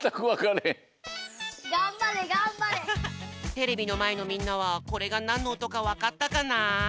テレビのまえのみんなはこれがなんのおとかわかったかな？